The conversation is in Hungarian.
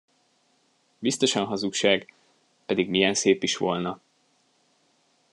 Biztosan hazugság, pedig milyen szép is volna!